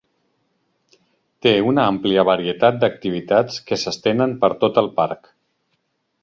Té una àmplia varietat d'activitats que s'estenen per tot el parc.